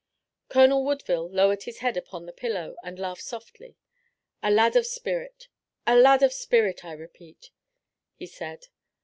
Colonel Woodville lowered his head upon the pillow and laughed softly. "A lad of spirit. A lad of spirit, I repeat," he said.